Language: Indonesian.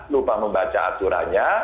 lupa membaca aturannya